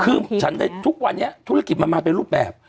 คือฉันในทุกวันนี้ธุรกิจมันมาเป็นรูปแบบ